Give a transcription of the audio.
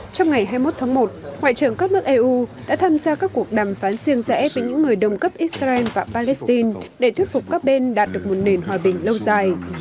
trong ngày hai mươi một tháng một ngoại trưởng các nước eu đã tham gia các cuộc đàm phán riêng rẽ với những người đồng cấp israel và palestine để thuyết phục các bên đạt được một nền hòa bình lâu dài